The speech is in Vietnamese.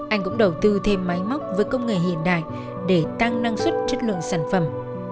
anh cũng đầu tư thêm máy móc với công nghệ hiện đại để tăng năng suất chất lượng sản phẩm